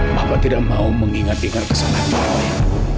bapak tidak mau mengingat ingat kesalahan bapak ya